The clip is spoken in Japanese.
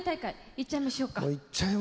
いっちゃいましょうか。